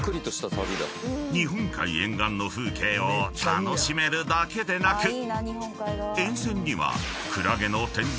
［日本海沿岸の風景を楽しめるだけでなく沿線には］